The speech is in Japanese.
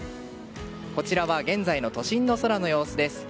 こちらは現在の都心の空の様子です。